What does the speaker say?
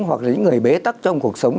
hoặc là những người bế tắc trong cuộc sống